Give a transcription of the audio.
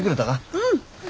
うん。